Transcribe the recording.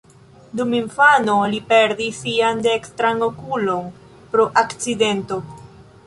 Dum infano li perdis sian dekstran okulon pro akcidento.